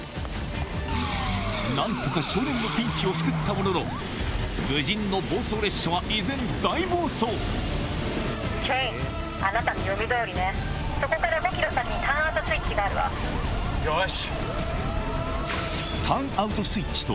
何とか少年のピンチを救ったものの無人の暴走列車は依然大暴走よし！